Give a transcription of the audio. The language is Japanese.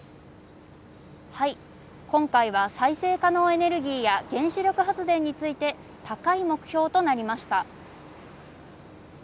今回は再生可能エネルギーや原子力発電について高い目標となりました。